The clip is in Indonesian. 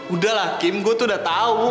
udah lah kim gue tuh udah tau